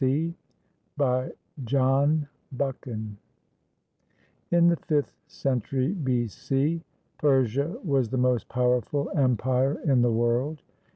C.] BY JOHN BUCHAN [In the fifth century B.C., Persia was the most powerful empire in the world.